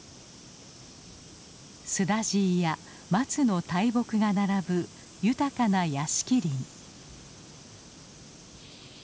スダジイや松の大木が並ぶ豊かな屋敷林。